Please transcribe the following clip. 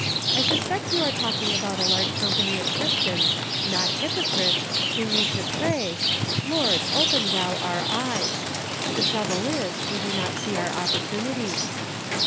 I suspect you are talking about a large company of Christians, not hypocrites, who need to pray, — 'Lord, open thou our eyes.' The trouble is, we do not see our opportunities."